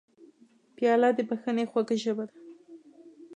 پیاله د بښنې خوږه ژبه ده.